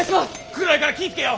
暗いから気ぃ付けよ！